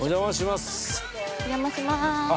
お邪魔します。